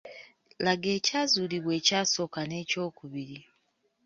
Laga ekyazuulibwa ekyasooka n’ekyokubiri